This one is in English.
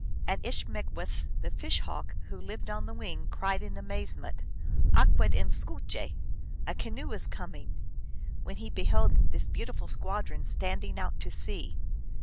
And Ishmegwess, the Fish Hawk, who lived on the wing, cried in amazement, " Akweden skouje !"" A canoe is coming !" when he beheld this beautiful squadron standing out to sea.